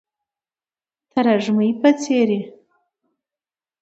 د ترږمۍ په څیرې،